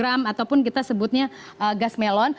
ataupun kita sebutnya gas melon